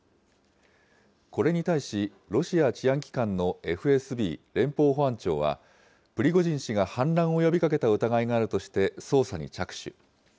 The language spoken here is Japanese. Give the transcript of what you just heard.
これに対し、ロシア治安機関のＦＳＢ・連邦保安庁は、プリゴジン氏が反乱を呼びかけた疑いがあるとして捜査に着手。